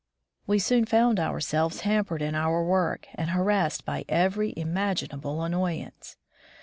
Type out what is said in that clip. We soon found ourselves hampered in our work and harassed by every imaginable annoyance.